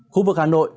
khu vực hà nội